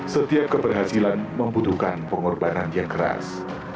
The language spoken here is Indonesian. setiap keberhasilan membutuhkan pengorbanan yang keras